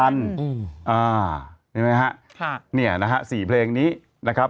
นี่ไหมครับสี่เพลงนี้นะครับ